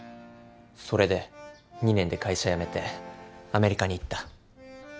それで２年で会社辞めてアメリカに行った。